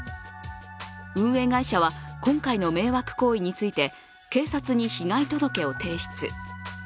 運営会社は今回の迷惑行為について警察に被害届を提出。